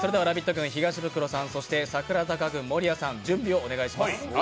軍、東ブクロさん、そして櫻坂軍の守屋さん、準備をお願いします。